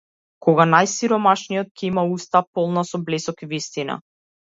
Кога најсиромашниот ќе има уста полна со блесок и вистина.